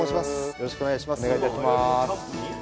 よろしくお願いします。